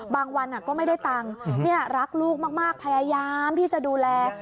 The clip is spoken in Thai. วันก็ไม่ได้ตังค์รักลูกมากพยายามที่จะดูแล